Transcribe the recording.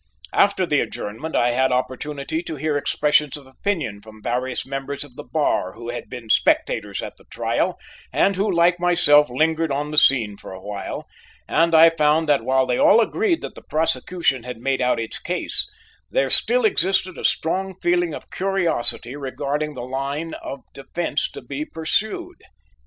After the adjournment I had opportunity to hear expressions of opinion from various members of the bar who had been spectators at the trial and who like myself lingered on the scene for awhile, and I found that while they all agreed that the prosecution had made out its case, there still existed a strong feeling of curiosity regarding the line of defence to be pursued.